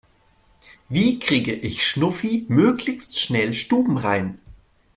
Wie kriege ich Schnuffi möglichst schnell stubenrein?